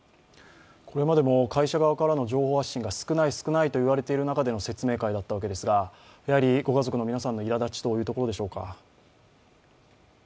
これまでも会社側からの情報発信が少ないと言われる中ですがご家族の皆さんのいらだちというところでしょうか？